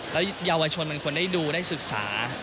แล้วเยาวชนมันควรได้ดูได้ศึกษา